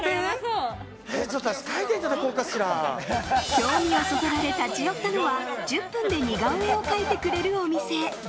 興味をそそられ立ち寄ったのは１０分で似顔絵を描いてくれるお店。